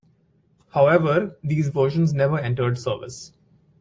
However, these versions never entered service.